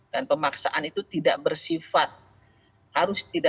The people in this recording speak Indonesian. dan pemaksaan itu tidak bersifat